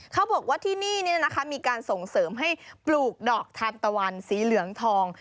เขาบอกว่าที่นี่มีการส่งเสริมให้ปลูกดอกทานตะวันสีเหลืองทอง